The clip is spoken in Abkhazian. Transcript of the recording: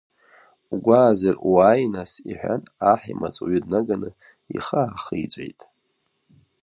Угәаазар, уааи нас, — иҳәан аҳ, амаҵуҩы днаганы ихы аахиҵәеит.